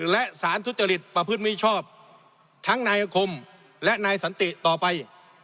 และสารทุจริตประพฤติมิชชอบทั้งนายอาคมและนายสันติต่อไป